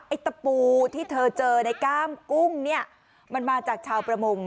ตะปูที่เธอเจอในก้ามกุ้งเนี่ยมันมาจากชาวประมง